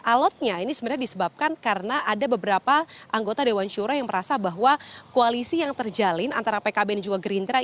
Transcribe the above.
alatnya ini sebenarnya disebabkan karena ada beberapa anggota dewan syuro yang merasa bahwa koalisi yang terjalin antara pkb dan juga gerindra